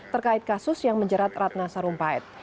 terkait kasus yang menjerat ratna sarumpait